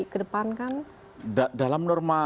kedepankan dalam norma